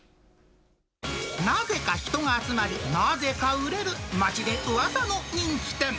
なぜか人が集まり、なぜか売れる、街でウワサの人気店！